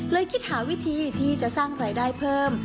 คิดหาวิธีที่จะสร้างรายได้เพิ่ม